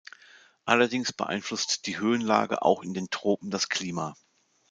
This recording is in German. Allerdings beeinflusst die Höhenlage auch in den Tropen das Klima.